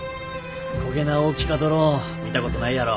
こげな大きかドローン見たことないやろ。